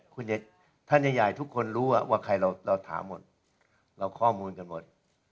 ขอบคุณใหญ่ทุกคนรู้ว่าว่าใครเราถามหมดเราข้อมูลแต่รถ